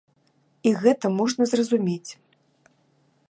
І гэта можна зразумець.